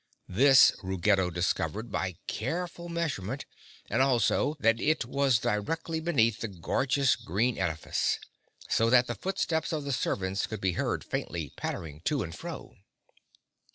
This Ruggedo discovered by careful measurement, and also that it was directly beneath the gorgeous green edifice, so that the footsteps of the servants could be heard faintly, pattering to and fro.